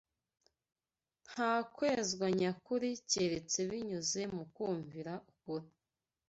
Nta kwezwa nyakuri keretse binyuze mu kumvira ukuri